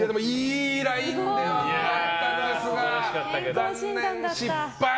いいラインではあったんですが残念、失敗！